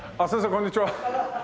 こんにちは。